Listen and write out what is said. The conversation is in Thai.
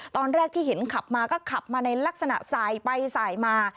ตอนแรกที่เห็นขับมาก็ขับมาในลักษณะสายไปสายมา